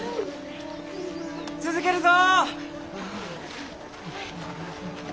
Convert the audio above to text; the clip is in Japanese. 続けるぞ！